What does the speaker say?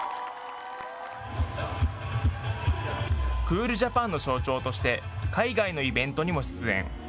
クールジャパンの象徴として海外のイベントにも出演。